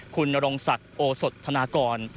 คุณรองศักดิ์โอศทนากร